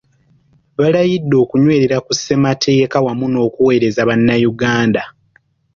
Balayidde okunywerera ku ssemateeka wamu n’okuweereza bannayuganda.